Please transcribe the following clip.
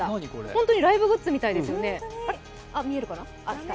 本当にライブグッズみたいですよね。